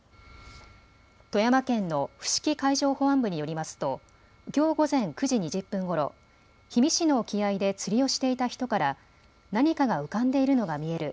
富山県の伏木海上保安部によりますときょう午前９時２０分ごろ、氷見市の沖合で釣りをしていた人から、何かが浮かんでいるのが見える。